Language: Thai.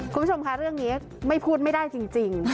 คุณผู้ชมค่ะเรื่องนี้ไม่พูดไม่ได้จริง